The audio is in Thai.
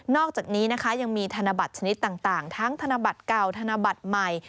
อกจากนี้นะคะยังมีธนบัตรชนิดต่างทั้งธนบัตรเก่าธนบัตรใหม่